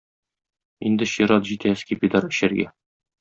Инде чират җитә скипидар эчәргә.